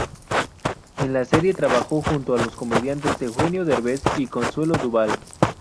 En la serie trabajó junto a los comediantes Eugenio Derbez y Consuelo Duval.